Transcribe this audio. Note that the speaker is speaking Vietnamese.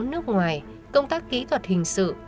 nước ngoài công tác kỹ thuật hình sự